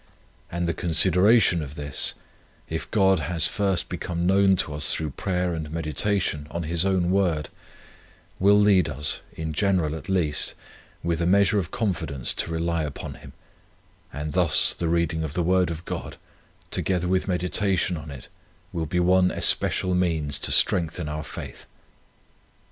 And the consideration of this, if God has become known to us through prayer and meditation on His own word, will lead us, in general at least, with a measure of confidence to rely upon Him: and thus the reading of the word of God, together with meditation on it, will be one especial means to strengthen our faith.